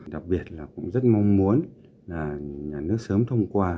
đặc biệt là cũng rất mong muốn là nhà nước sớm thông qua